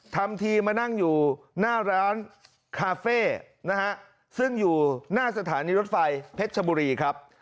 ทำทีมานั่งอยู่หน้าร้านคาเฟ่นะฮะซึ่งอยู่หน้าสถานีรถไฟเพชรชบุรีครับ